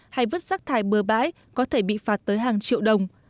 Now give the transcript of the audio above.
hay vứt rác thải bừa bãi có thể bị phạt tới hàng triệu đồng